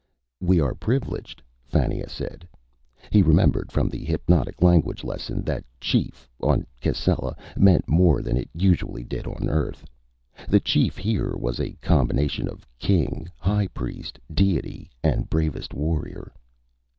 "We are privileged," Fannia said. He remembered from the hypnotic language lesson that "chief" on Cascella meant more than it usually did on Earth. The chief here was a combination of king, high priest, deity and bravest warrior.